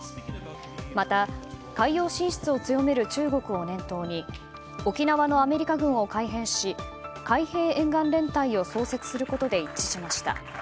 また、海洋進出を強める中国を念頭に沖縄のアメリカ軍を改編し海兵沿岸連隊を創設することで一致しました。